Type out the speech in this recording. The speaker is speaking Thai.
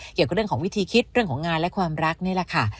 เกี่ยวกับเรื่องของวิธีคิดเรื่องของงานและความรักนี่แหละค่ะ